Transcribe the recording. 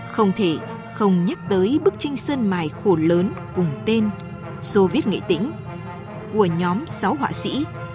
không thể không nhắc tới bức tranh sơn mài khổ lớn cùng tên soviet nghệ tĩnh của nhóm sáu họa sĩ